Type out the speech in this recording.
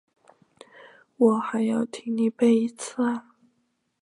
我还要听你背一次啊？